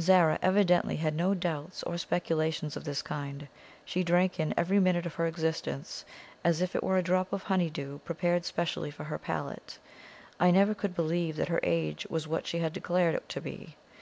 Zara evidently had no doubts or speculations of this kind; she drank in every minute of her existence as if it were a drop of honey dew prepared specially for her palate. I never could believe that her age was what she had declared it to be.